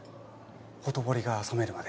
ほとぼりが冷めるまで。